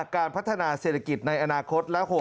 ๕การพัฒนาเศรษฐกิจในอนาคต